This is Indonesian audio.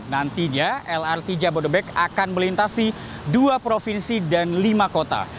nantinya lrt jabodebek akan melintasi dua provinsi dan lima kota